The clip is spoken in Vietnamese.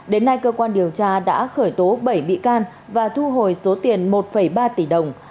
đến nay cơ quan điều tra đã khởi tố bảy bị can và thu hồi số tiền một ba tỷ đồng